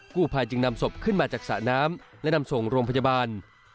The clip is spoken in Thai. ภายจึงนำศพขึ้นมาจากสระน้ำและนำส่งโรงพยาบาล